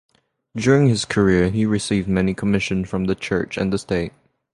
During his career he received many commissions from the Church and the state.